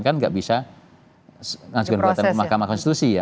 kan nggak bisa mengajukan gugatan ke mahkamah konstitusi ya